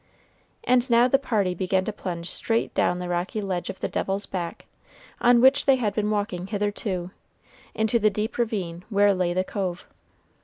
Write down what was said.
And now the party began to plunge straight down the rocky ledge of the Devil's Back, on which they had been walking hitherto, into the deep ravine where lay the cove.